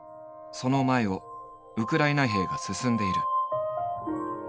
その前をウクライナ兵が進んでいる。